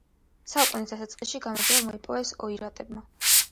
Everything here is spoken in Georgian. საუკუნის დასაწყისში გამარჯვება მოიპოვეს ოირატებმა.